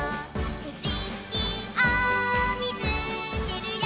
「ふしぎをみつけるよ」